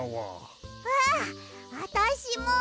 ああたしも！